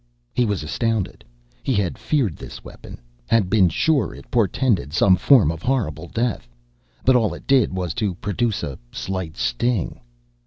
He was astounded. He had feared this weapon, had been sure it portended some form of horrible death. But all it did was to produce a slight sting.